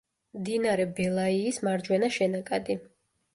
მდინარე ბელაიის მარჯვენა შენაკადი.